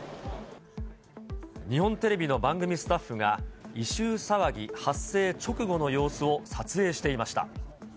日本テレビの番組スタッフが異臭騒ぎ発生直後の様子を撮影していました。